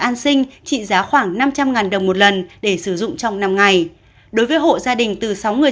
an sinh trị giá khoảng năm trăm linh đồng một lần để sử dụng trong năm ngày đối với hộ gia đình từ sáu người